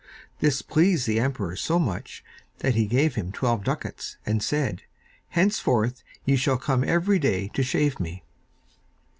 This pleased the emperor so much that he gave him twelve ducats, and said, 'Henceforth you shall come every day to shave me.